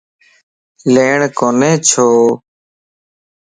ليڻ ڪوني ڇو؟